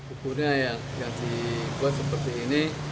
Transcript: ukurnya yang dibuat seperti ini